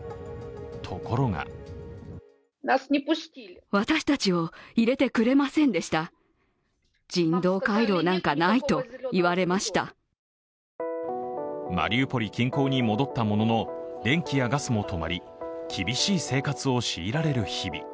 ところがマリウポリ近郊に戻ったものの電気やガスも止まり厳しい生活を強いられる日々。